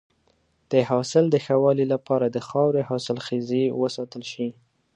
د حاصل د ښه والي لپاره د خاورې حاصلخیزی وساتل شي.